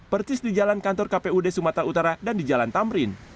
perintis di jalan kantor kpu di sumatera utara dan di jalan tamrin